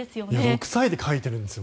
６歳で書いてるんですよ。